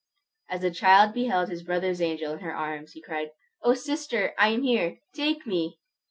As the child beheld his brother's angel in her arms, he cried, "O sister, I am here! Take me!"